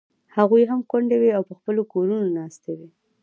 هغوی هم کونډې وې او په خپلو کورونو ناستې وې.